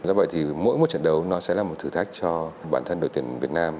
do vậy thì mỗi một trận đấu nó sẽ là một thử thách cho bản thân đội tuyển việt nam